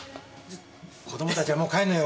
子供たちはもう帰んのよ。